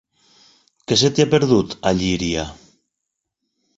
Què se t'hi ha perdut, a Llíria?